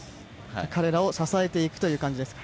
彼らを支えていくという感じですか。